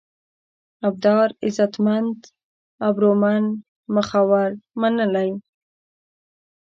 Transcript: ابدار: عزتمن، ابرومند ، مخور، منلی